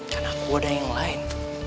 karena aku ada yang lain